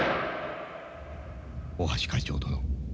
「大橋会長殿。